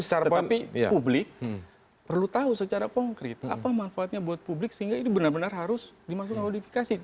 tetapi publik perlu tahu secara konkret apa manfaatnya buat publik sehingga ini benar benar harus dimaksudkan modifikasi